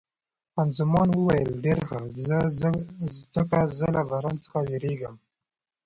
خان زمان وویل، ډېر ښه، ځکه زه له باران څخه بیریږم.